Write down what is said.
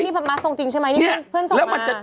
นี่มาส่งจริงใช่ไหมเพื่อนทีนี้ส่งมา